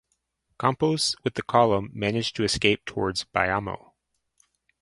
Campos with the column managed to escape towards Bayamo.